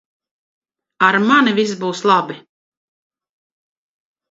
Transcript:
Ar mani viss būs labi.